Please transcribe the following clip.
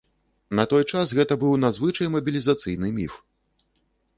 На той час гэта быў надзвычай мабілізацыйны міф.